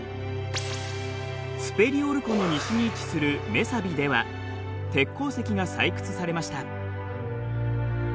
スペリオル湖の西に位置するメサビでは鉄鉱石が採掘されました。